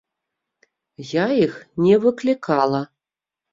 Я іх не выклікала.